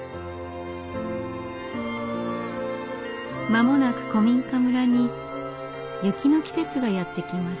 間もなく古民家村に雪の季節がやって来ます。